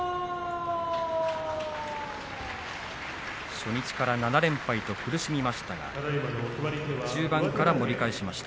初日から７連敗と苦しみましたが中盤から盛り返しました。